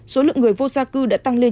số lượng người vô gia cư đã tăng lên